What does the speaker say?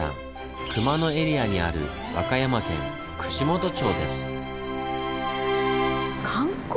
熊野エリアにある和歌山県串本町です。